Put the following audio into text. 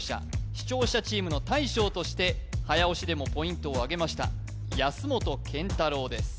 視聴者チームの大将として早押しでもポイントを上げました安本健太郎です